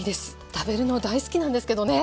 食べるの大好きなんですけどね。